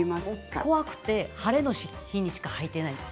怖くて晴れの日しか履いてないです。